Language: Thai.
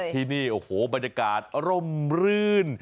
ที่นี่โอ้โหบรรยากาศร่มรื่น